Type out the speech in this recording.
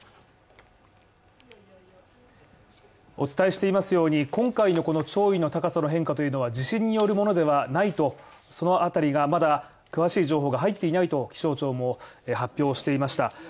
お伝えしていますように今回のこの潮位の高さの変化というのは地震によるものではないとそのあたりがまだ詳しい情報が入っていないと、気象庁も発表していました。